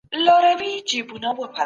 د زاړه سړي بوج پورته کول ښه کار دی.